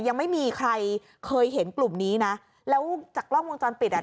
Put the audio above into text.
ยังไม่มีใครเคยเห็นกลุ่มนี้นะแล้วจากกล้องวงจรปิดอ่ะ